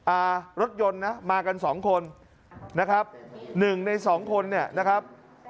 อ่ารถยนต์นะมากันสองคนนะครับหนึ่งในสองคนเนี่ยนะครับ